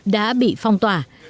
đã bị phong tỏa